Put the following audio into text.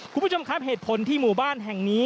คุณผู้ชมครับเหตุผลที่หมู่บ้านแห่งนี้